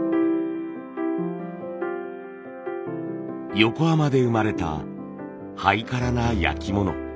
横浜で生まれたハイカラな焼き物。